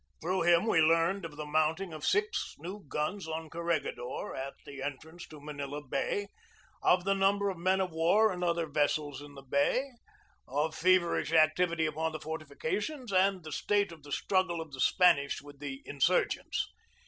Through him we learned of the mounting of six new guns on Corregidor, at the entrance to Manila Bay, of the number of men of war and other vessels in the bay, of feverish activity upon the fortifications, and the state of the struggle of the Spanish with the insurgents.